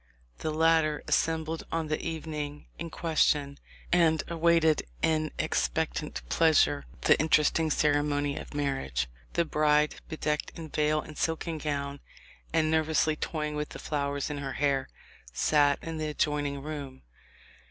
The latter assembled on the evening in question, and awaited in expectant pleasure the interesting ceremony of marriage. The bride, be decked in veil and silken gown, and nervously toy ing with the flowers in her hair, sat in the adjoin ing room.